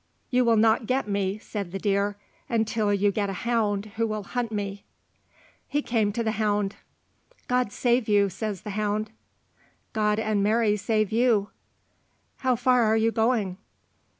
"You will not get me," said the deer, "until you get a hound who will hunt me." He came to the hound. "God save you," says the hound. "God and Mary save you." "How far are you going?"